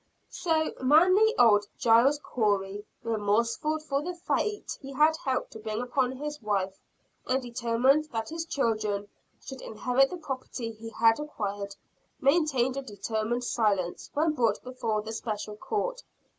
So, manly old Giles Corey, remorseful for the fate he had helped to bring upon his wife, and determined that his children should inherit the property he had acquired, maintained a determined silence when brought before the Special Court.